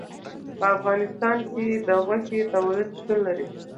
په افغانستان کې د غوښې تولید شتون لري.